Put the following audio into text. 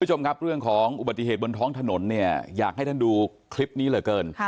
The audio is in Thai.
คุณผู้ชมครับเรื่องของอุบัติเหตุบนท้องถนนเนี่ยอยากให้ท่านดูคลิปนี้เหลือเกิน